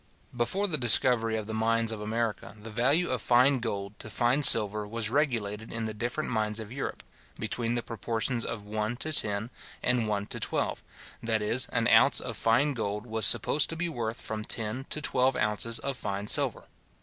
_ Before the discovery of the mines of America, the value of fine gold to fine silver was regulated in the different mines of Europe, between the proportions of one to ten and one to twelve; that is, an ounce of fine gold was supposed to be worth from ten to twelve ounces of fine silver.